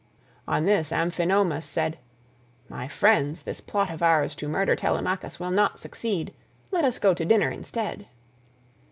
On this Amphinomus said, "My friends, this plot of ours to murder Telemachus will not succeed; let us go to dinner instead."